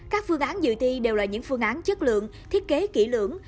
các phương án dự thi đều là những phương án chất lượng thiết kế kỹ lưỡng